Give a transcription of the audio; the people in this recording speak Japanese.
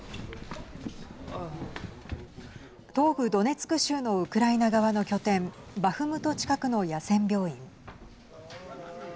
東部ドネツク州のウクライナ側の拠点バフムト近くの野戦病院。